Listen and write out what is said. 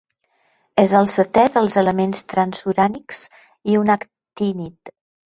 És el setè dels elements transurànics, i un actínid.